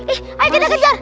ih ayo kita kejar